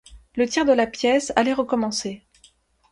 Le tir de la pièce allait recommencer.